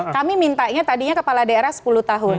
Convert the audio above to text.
kami mintanya tadinya kepala daerah sepuluh tahun